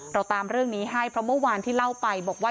เราตามเรื่องนี้ให้เพราะเมื่อวานที่เล่าไปบอกว่า